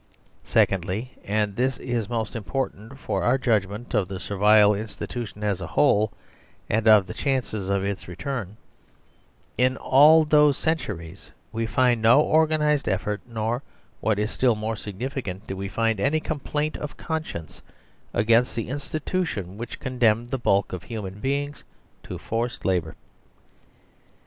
Secondly (and this is most important for our judg ment of the Servile Institution as a whole, and of the chances of its return), in all those centuries we find no organised effort, nor (what is still more significant) do we find any complaint of conscience against the in stitution which condemned the bulk of human beings to forced labour.